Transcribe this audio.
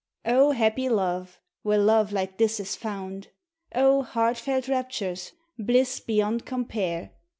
O happy love! where love like this is found! 0 heartfelt raptures! bliss beyond compare!